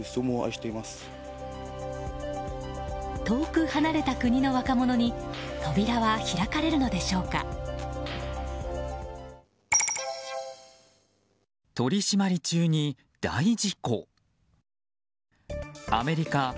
遠く離れた国の若者に扉は開かれるのでしょうか。